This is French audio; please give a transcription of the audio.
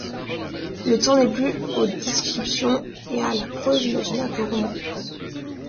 Le temps n'est plus aux descriptions et à la prose imaginaire du roman.